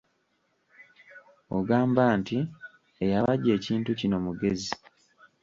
Ogamba nti; eyabajja ekintu kino, mugezi.